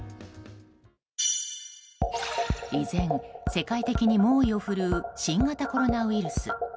依然、世界的に猛威を振るう新型コロナウイルス。